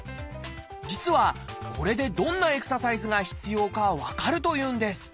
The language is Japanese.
実はこれでどんなエクササイズが必要か分かるというんです。